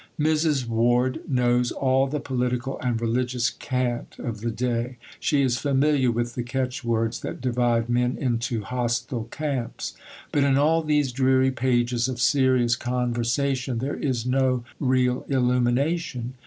Mrs. Ward knows all the political and religious cant of the day; she is familiar with the catch words that divide men into hostile camps; but in all these dreary pages of serious conversation there is no real illumination.